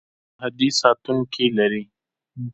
ایران ډیر سرحدي ساتونکي لري.